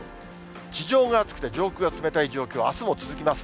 地上が暑くて上空が冷たい状況、あすも続きます。